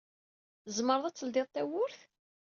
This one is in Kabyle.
Tzemreḍ ad d-tledyeḍ tawwurt?